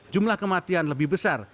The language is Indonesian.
jumlah kematian lebih besar